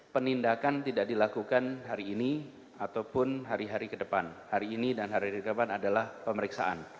penindakan tidak dilakukan hari ini ataupun hari hari ke depan hari ini dan hari hari ke depan adalah pemeriksaan